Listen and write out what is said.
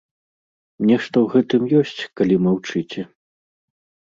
Нешта ў гэтым ёсць, калі маўчыце.